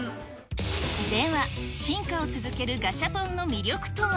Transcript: では、進化を続けるガシャポンの魅力とは。